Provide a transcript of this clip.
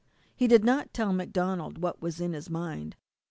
He did not tell MacDonald what was in his mind.